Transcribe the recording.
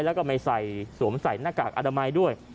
แล้วก็ไม่ใส่สวมใส่หน้ากากอนามัยด้วย